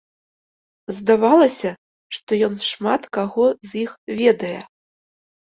Здавалася, што ён шмат каго з іх ведае.